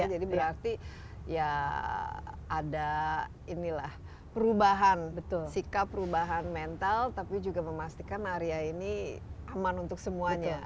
jadi berarti ya ada perubahan sikap perubahan mental tapi juga memastikan area ini aman untuk semuanya